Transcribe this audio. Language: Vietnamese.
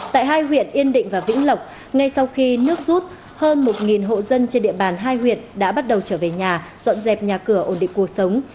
tại hai huyện yên định và vĩnh lộc ngay sau khi nước rút hơn một hộ dân trên địa bàn hai huyện đã bắt đầu trở về nhà dọn dẹp nhà cửa ổn định cuộc sống